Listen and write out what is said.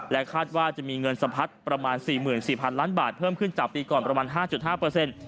และคาดว่าจะมีเงินสะพัดประมาณ๔๔๐๐๐ล้านบาทเพิ่มขึ้นจากปีก่อนประมาณ๕๕